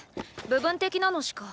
部分的なのしか。